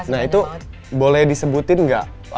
nah itu boleh disebutin nggak